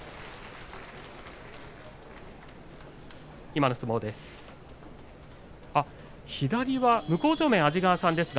今の相撲です。